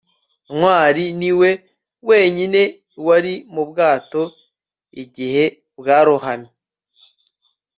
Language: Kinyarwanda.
ntwali niwe wenyine wari mu bwato igihe bwarohamye